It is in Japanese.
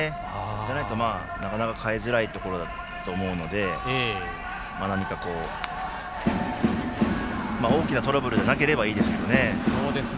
じゃないと、なかなか代えづらいところだと思いますので何か、大きなトラブルじゃなければいいですけどね。